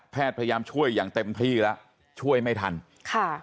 พยายามช่วยอย่างเต็มที่แล้วช่วยไม่ทันค่ะ